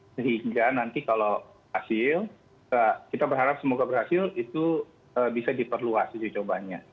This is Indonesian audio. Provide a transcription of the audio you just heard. sehingga nanti kalau hasil kita berharap semoga berhasil itu bisa diperluas uji cobanya